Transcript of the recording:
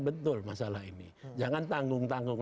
betul masalah ini jangan tanggung tanggung